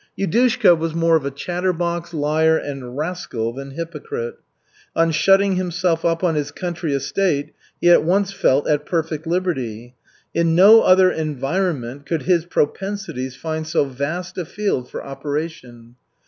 Yudushka was more of a chatterbox, liar and rascal than hypocrite. On shutting himself up on his country estate, he at once felt at perfect liberty. In no other environment could his propensities find so vast a field for operation.